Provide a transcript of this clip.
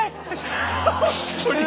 本当に。